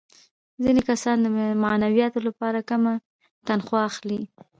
ځینې کسان د معنویاتو لپاره کمه تنخوا اخلي